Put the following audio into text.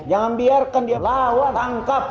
jangan biarkan dia lawan tangkap